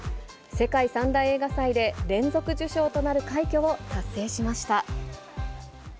世界３大映画祭で、連続受賞となる快挙を達成しました。